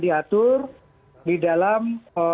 diatur di dalam